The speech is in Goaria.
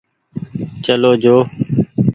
چلو جو ۔